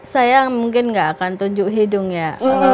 saya mungkin gak akan tunjuk hidung ya